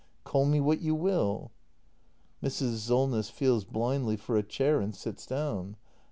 Call me what you will. Mrs. Solness. [Feels blindly for a chair and sits down.